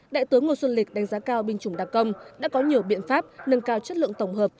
đại tướng ngô xuân lịch đánh giá cao binh chủng đặc công đã có nhiều biện pháp nâng cao chất lượng tổng hợp